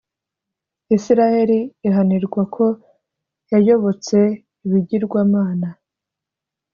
Israheli ihanirwa ko yayobotse ibigirwamana